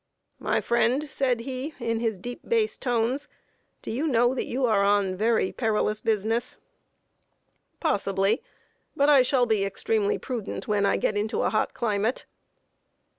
"My friend," said he, in his deep bass tones, "do you know that you are on very perilous business?" "Possibly; but I shall be extremely prudent when I get into a hot climate."